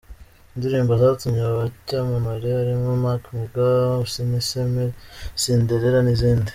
Indirimbo zatumye aba icyamamare harimo Mac Muga, Usiniseme, Cinderella n’izindi.